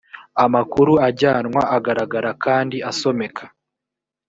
amakuru ajyanwa agaragara kandi asomeka